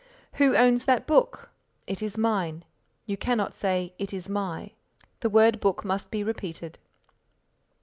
"Who owns that book?" "It is mine." You cannot say "it is my," the word book must be repeated.)